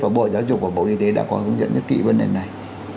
và bộ giáo dục và bộ y tế đã có dẫn dẫn rất kỹ vấn đề này